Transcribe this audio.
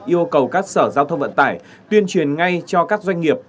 yêu cầu các sở giao thông vận tải tuyên truyền ngay cho các doanh nghiệp